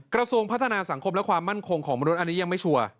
กระทรวงพัฒนาสังคมและความมั่นคงของมนุษย์อันนี้ยังไม่ชัวร์